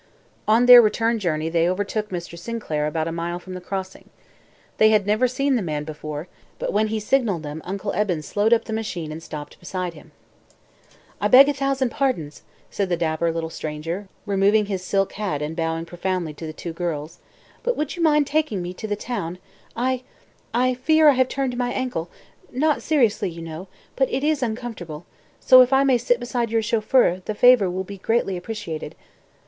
On their return journey they overtook Mr. Sinclair at about a mile from the Crossing. They had never seen the man before, but when he signaled them. Uncle Eben slowed up the machine and stopped beside him. "I beg a thousand pardons," said the dapper little stranger, removing his silk hat and bowing profoundly to the two girls, "but would you mind taking me to the town? I I fear I have turned my ankle; not seriously, you know, but it is uncomfortable; so if I may sit beside your chauffeur the favor will be greatly appreciated."